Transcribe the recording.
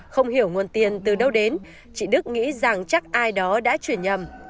không hiểu nguồn tiền từ đâu đến chị đức nghĩ rằng chắc ai đó đã chuyển nhầm